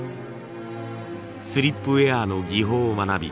スリップウェアの技法を学び